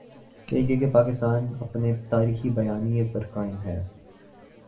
ایک یہ کہ پاکستان اپنے تاریخی بیانیے پر قائم ہے۔